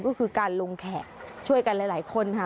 ก็คือการลงแขกช่วยกันหลายคนค่ะ